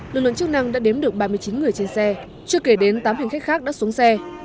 lực lượng chức năng đã đếm được ba mươi chín người trên xe chưa kể đến tám hành khách khác đã xuống xe